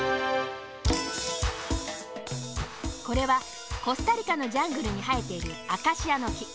これはコスタリカのジャングルにはえているアカシアのき。